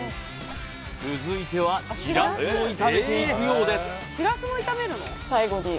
続いてはしらすを炒めていくようです